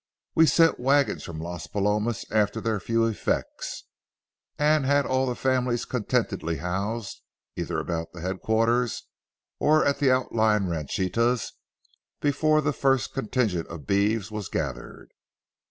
We sent wagons from Las Palomas after their few effects, and had all the families contentedly housed, either about headquarters or at the outlying ranchitas, before the first contingent of beeves was gathered.